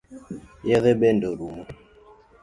Yedhe bende oromo?